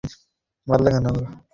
আমার সাথে কী করছেন?